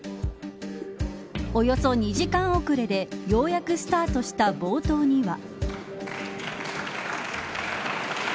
およそ２時間遅れでようやくスタートした冒頭には。